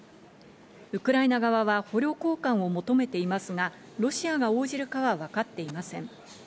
ウクライナ側は捕虜交換を求めていますが、ロシアが応じるかは分かっていません。